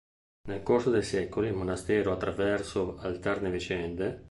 Nel corso dei secoli il monastero attraverso alterne vicende.